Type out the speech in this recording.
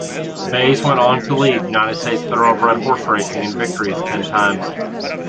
Baze went on to lead United States thoroughbred horse racing in victories ten times.